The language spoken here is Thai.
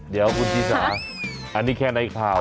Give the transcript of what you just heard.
เดี๋ยวคุณชีสาอันนี้แค่ในข่าว